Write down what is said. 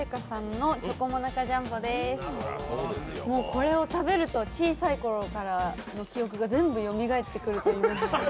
これを食べると小さいころからの記憶が全部よみがえってくるという。